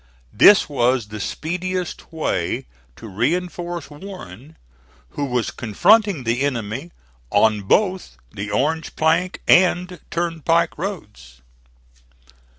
This was the speediest way to reinforce Warren who was confronting the enemy on both the Orange plank and turnpike roads.